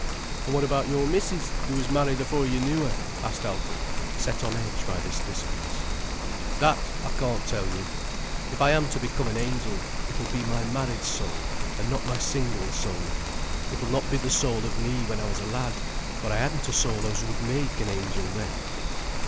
"And what about your missis, who was married afore you knew her?" asked Alfred, set on edge by this discourse. "That I can't tell you. If I am to become an Angel, it'll be my married soul, and not my single soul. It'll not be the soul of me when I was a lad: for I hadn't a soul as would make an Angel then."